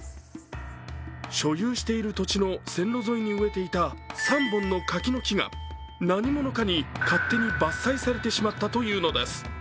所有している土地の線路沿いに植えていた３本の柿の木が、何者かに勝手に伐採されてしまったというのです。